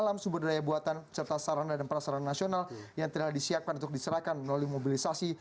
selain dari sumber daya ini juga tempat memadai sumber daya buatan serta perusahaan nasional yang telah disiapkan untuk diserahkan melalui mobilisasi